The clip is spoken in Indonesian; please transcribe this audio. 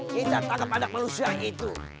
kita tangkap pada manusia yang itu